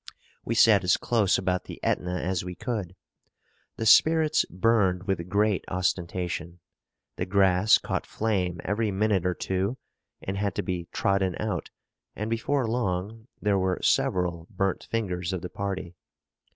We sat as close about the Etna as we could. The spirits burned with great ostentation; the grass caught flame every minute or two, and had to be trodden out; and before long, there were several burnt fingers of the party.